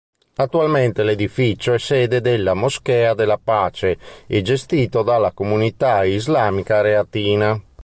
Attualmente l'edificio è sede della "Moschea della Pace" e gestito dalla comunità islamica reatina.